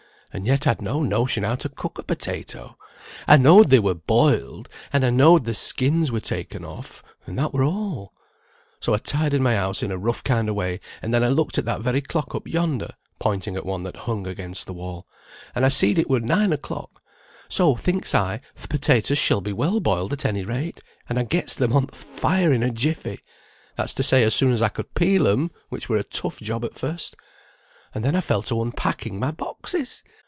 And yet I'd no notion how to cook a potato. I know'd they were boiled, and I know'd their skins were taken off, and that were all. So I tidyed my house in a rough kind o' way, and then I looked at that very clock up yonder," pointing at one that hung against the wall, "and I seed it were nine o'clock, so, thinks I, th' potatoes shall be well boiled at any rate, and I gets 'em on th' fire in a jiffy (that's to say, as soon as I could peel 'em, which were a tough job at first), and then I fell to unpacking my boxes!